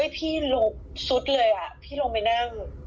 พี่หลบสุดเลยอ่ะพี่ลงไปนั่ง